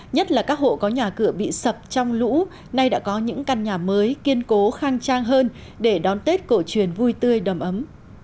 nhất là các hộ có nhà cửa bị sập trong lũ nay đã có những căn nhà mới kiên cố khang trang hơn để đón tết cổ truyền vui tươi đầm ấm